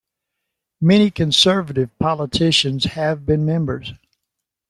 Many Conservative politicians have been members.